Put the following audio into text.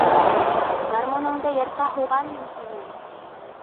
Гармуныңды йырта һуғам мин һинең!